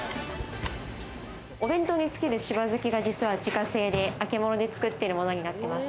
お弁当につけるしば漬けが実は自家製で、あけぼので作ってるものになります。